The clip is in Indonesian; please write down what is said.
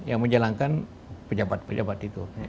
yang menjalankan pejabat pejabat itu